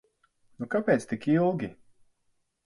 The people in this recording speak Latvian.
Nu kāpēc tik ilgi?